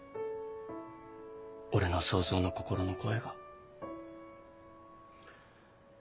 俺の想像の心の声が。